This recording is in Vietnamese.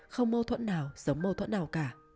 không mâu thuẫn nào giống mâu thuẫn nào cả